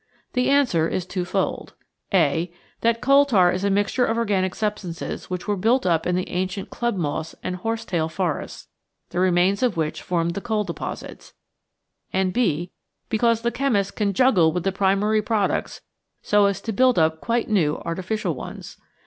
The answer is twofold: (a) that coal tar is a mixture of organic substances which were built up in the ancient club moss and horsetail forests, the remains of which formed the coal deposits, and (b) because the chemist can juggle with the primary products so as to build up quite new artificial ones.